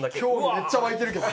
めっちゃ湧いてるけど。